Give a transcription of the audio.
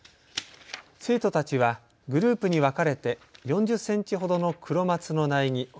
生徒たちはグループに分かれて４０センチほどのクロマツの苗木